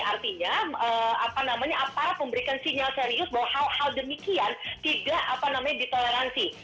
artinya apa namanya aparat memberikan sinyal serius bahwa hal hal demikian tidak ditoleransi